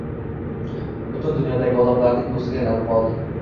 Butun dunyodagi odamlarning do’stiga aylanib qoldi